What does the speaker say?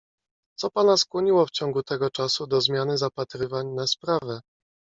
"Co pana skłoniło w ciągu tego czasu do zmiany zapatrywań na sprawę?"